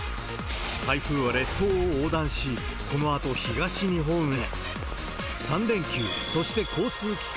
台風は列島を横断し、このあと東日本へ。